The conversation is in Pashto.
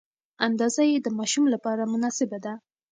اندازه یې د ماشوم لپاره مناسبه ده.